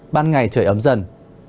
ban ngày trời ấm dần